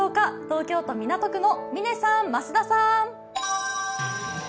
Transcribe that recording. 東京都港区の嶺さん、増田さん。